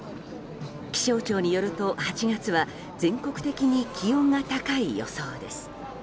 気象庁によると、８月は全国的に気温が高い予想です。